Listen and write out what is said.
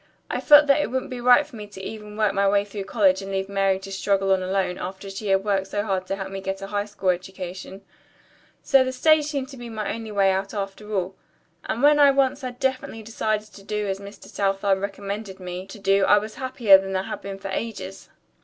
I felt that it wouldn't be right for me to even work my way through college and leave Mary to struggle on alone, after she had worked so hard to help me get a high school education. So the stage seemed to be my one way out after all. And when once I had definitely decided to do as Mr. Southard recommended me to do I was happier than I had been for ages."